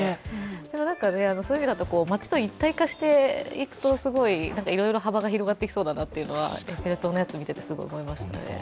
でもそういう意味だと街と一体化していくとすごい、いろいろ幅が広がっていきそうだなとエッフェル塔を見ていて思いました。